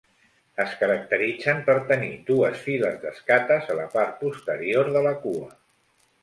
Es caracteritzen per tenir dues files d'escates a la part posterior de la cua.